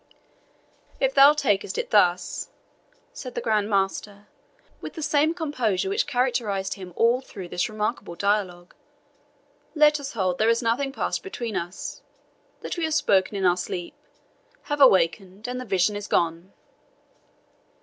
"If thou takest it thus," said the Grand Master, with the same composure which characterized him all through this remarkable dialogue, "let us hold there has nothing passed between us that we have spoken in our sleep have awakened, and the vision is gone."